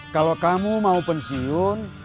kalau kamu mau pensiun